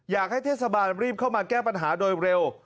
อยากให้เทศบาลรีบเข้ามาแก้ปัญหาโดยเร็ว